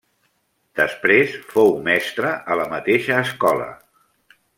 Després fou mestre a la mateixa escola.